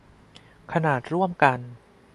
ขนานร่วมกัน